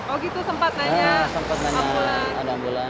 oh gitu sempat nanya ambulan